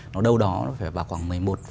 nó đâu đó phải vào khoảng một mươi một năm